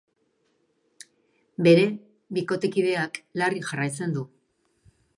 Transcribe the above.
Bere bikotekideak larri jarraitzen du.